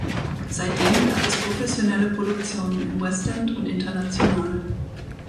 Seitdem gab es professionelle Produktionen im West End und international.